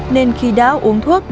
nên khi đã uống thuốc